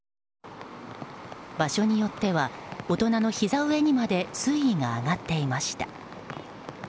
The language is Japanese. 場所によっては大人のひざ上にまで水位が上がっていました。